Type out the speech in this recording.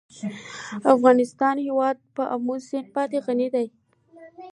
د افغانستان هیواد په آمو سیند باندې غني دی.